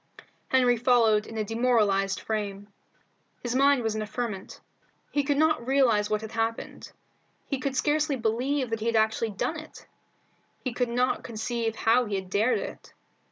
Henry followed in a demoralized frame. His mind was in a ferment. He could not realize what had happened. He could scarcely believe that he had actually done it. He could not conceive how he had dared it.